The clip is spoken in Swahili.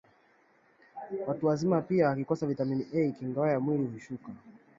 Watu wazima pia wakikosa vitamin A kinga yao ya mwili hushuka